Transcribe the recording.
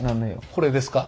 これですか？